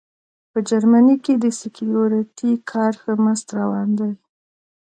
په جرمني کې د سیکیورټي کار ښه مست روان دی